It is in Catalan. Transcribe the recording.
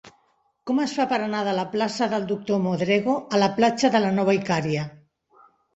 Com es fa per anar de la plaça del Doctor Modrego a la platja de la Nova Icària?